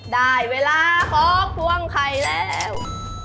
ได้เวลาขอพวงไข่แล้ว